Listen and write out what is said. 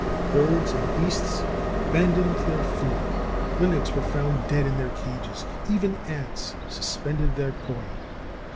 Birds and beasts abandoned their food; linnets were found dead in their cages; even ants suspended their toil.